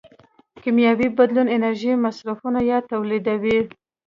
کیمیاوي بدلون انرژي مصرفوي یا تولیدوي.